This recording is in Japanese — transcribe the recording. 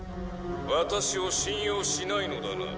「ワタシを信用しないのだな？」